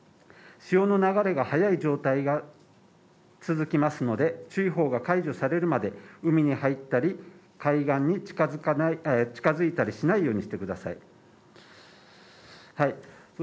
潮の流れが速い状態が続きますので、注意報が解除されるまで海に入ったり、海岸に近づいたりしないようにしてください。